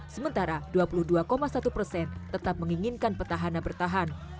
sementara dua puluh dua satu persen tetap menginginkan petahana bertahan